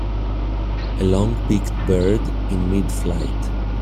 A longbeaked bird in midflight.